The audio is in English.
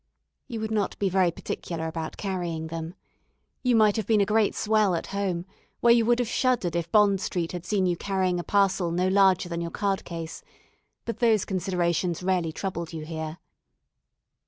You would not be very particular about carrying them. You might have been a great swell at home, where you would have shuddered if Bond Street had seen you carrying a parcel no larger than your card case; but those considerations rarely troubled you here.